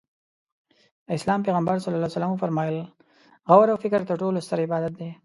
د اسلام پیغمبر ص وفرمایل غور او فکر تر ټولو ستر عبادت دی.